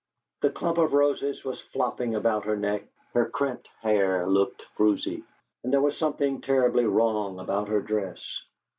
The clump of roses was flopping about her neck, her crimped hair looked frowzy, and there was something terribly wrong about her dress.